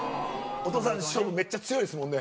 お父さん勝負めっちゃ強いですもんね。